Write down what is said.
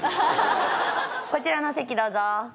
こちらの席どうぞ。